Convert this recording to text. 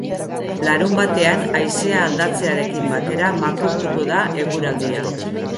Larunbatean, haizea aldatzearekin batera makurtuko da eguraldia.